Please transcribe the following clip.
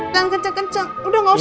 jangan kenceng kenceng udah gak usah